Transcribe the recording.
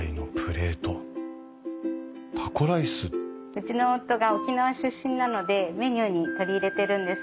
うちの夫が沖縄出身なのでメニューに取り入れてるんです。